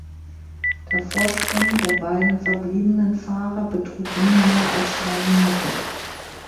Der Vorsprung der beiden verbliebenen Fahrer betrug nie mehr als drei Minuten.